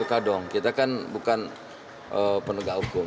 israel dan kpk dong kita kan bukan penegak hukum